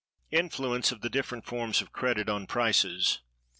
Influence of the different forms of Credit on Prices.